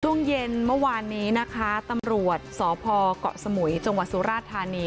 ช่วงเย็นเมื่อวานนี้นะคะตำรวจสพเกาะสมุยจังหวัดสุราธานี